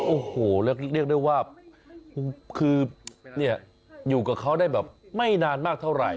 โอ้โหเรียกได้ว่าคืออยู่กับเขาได้แบบไม่นานมากเท่าไหร่